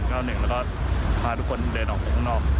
แล้วก็พาทุกคนเดินออกไปข้างนอก